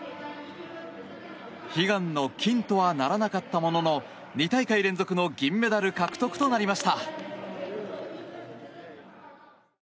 悲願の金とはならなかったものの２大会連続の銀メダル獲得となりました。